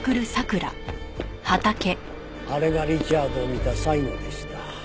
あれがリチャードを見た最後でした。